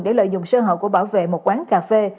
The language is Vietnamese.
để lợi dụng sơ hở của bảo vệ một quán cà phê